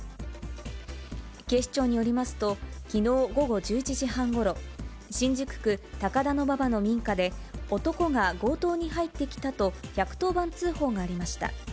警視庁によりますと、きのう午後１１時半ごろ、新宿区高田馬場の民家で、男が強盗に入ってきたと１１０番通報がありました。